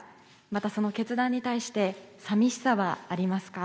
また、その決断に対して寂しさはありますか？